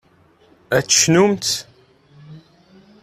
Ad tecnumt?